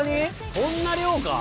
こんな量か？